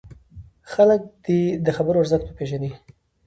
خلک دې د خبرو ارزښت وپېژني.